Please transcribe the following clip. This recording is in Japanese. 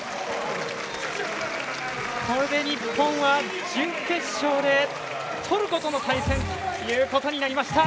これで日本は準決勝でトルコとの対戦ということになりました。